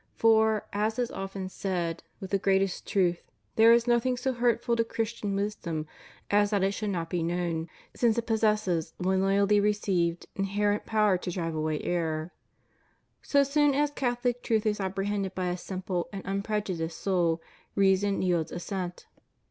For, as is often said, with the greatest truth, there is nothing so hurtful to Christian wisdom as that it should not be known, since it possesses, when loyally received, inherent power to drive away error. So soon as Catholic truth is apprehended by a simple and unprejudiced soul, reason yields assent.